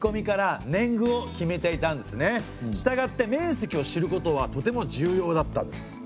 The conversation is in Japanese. したがって面積を知ることはとても重要だったんです。